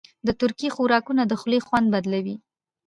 د ترکي خوراکونه د خولې خوند بدلوي.